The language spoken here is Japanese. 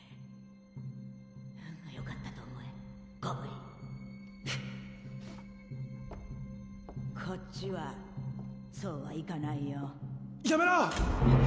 運がよかったと思えゴブリンこっちはそうはいかないよやめろ！